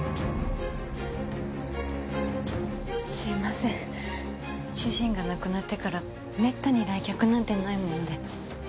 すいません主人が亡くなってからめったに来客なんてないもので。